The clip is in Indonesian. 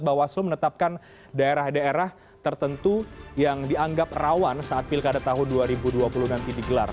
bawaslu menetapkan daerah daerah tertentu yang dianggap rawan saat pilkada tahun dua ribu dua puluh nanti digelar